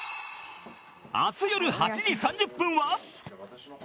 明日よる８時３０分は